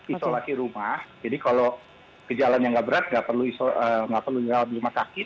isolasi rumah jadi kalau ke jalan yang nggak berat nggak perlu dirawat di rumah sakit